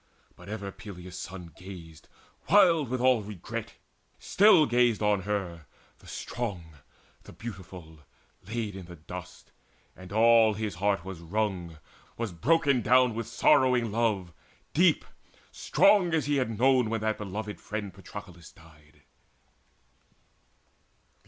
But ever Peleus' son Gazed, wild with all regret, still gazed on her, The strong, the beautiful, laid in the dust; And all his heart was wrung, was broken down With sorrowing love, deep, strong as he had known When that beloved friend Patroclus died.